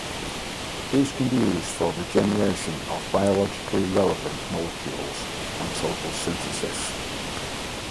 These can be used for the generation of biologically relevant molecules and total synthesis.